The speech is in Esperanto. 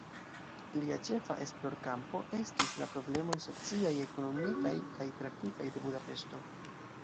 Lia ĉefa esplorkampo estis la problemoj sociaj, ekonomikaj kaj trafikaj de Budapeŝto.